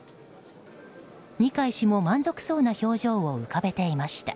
二階氏も満足そうな表情を浮かべていました。